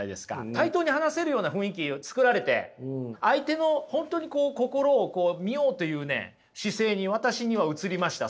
対等に話せるような雰囲気作られて相手の本当に心を見ようという姿勢に私には映りました。